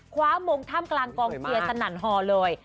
คว้ามงท่ามกลางกองเชียร์สนั่นฮอเลย